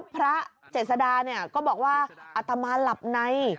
พระเจษดาเนี่ยก็บอกว่าอัตมาห์หลับไน